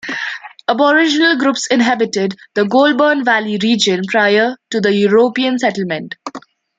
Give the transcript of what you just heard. Aboriginal groups inhabited the Goulburn Valley region prior to European settlement.